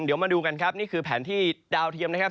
เดี๋ยวมาดูกันครับนี่คือแผนที่ดาวเทียมนะครับ